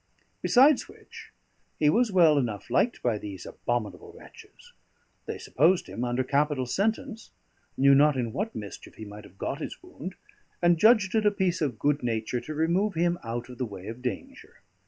Besides which, he was well enough liked by these abominable wretches: they supposed him under capital sentence, knew not in what mischief he might have got his wound, and judged it a piece of good nature to remove him out of the way of danger.